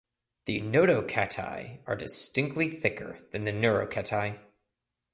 The notochaetae are distinctly thicker than the neurochaetae.